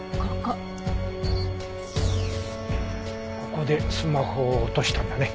ここでスマホを落としたんだね。